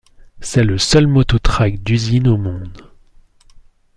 C'est le seul moto-trike d'usine au monde.